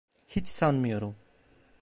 Hiç sanmıyorum.